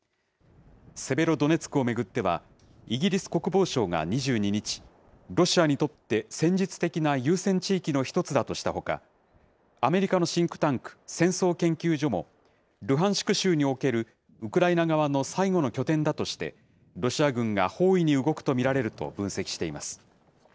セベロドネツクを巡っては、イギリス国防省が２２日、ロシアにとって戦術的な優先地域の一つだとしたほか、アメリカのシンクタンク、戦争研究所も、ルハンシク州におけるウクライナ側の最後の拠点だとして、ロシア軍が包囲に動くと見られると分析しています。